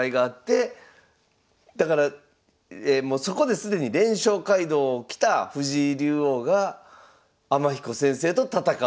だからそこで既に連勝街道をきた藤井竜王が天彦先生と戦うと。